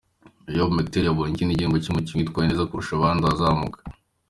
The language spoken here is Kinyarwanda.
Eyob Metkel yabonye ikindi gihembo cy’umukinyi witwaye neza kurusha abandi ahazamuka.